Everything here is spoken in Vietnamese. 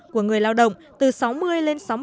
của người lao động từ sáu mươi lên sáu mươi